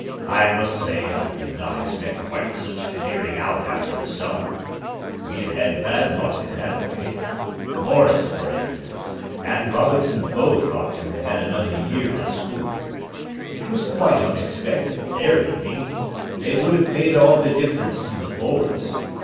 I must say I did not expect quite such a clearing out after the summer. We have had bad luck in that way. Maurice, for instance, and Robinson both ought to have had another year at school. It was quite unexpected, their leaving. They would have made all the difference to the forwards.